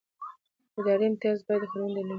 اداري امتیاز باید قانوني دلیل ولري.